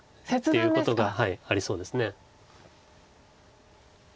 っていうことがありそうです。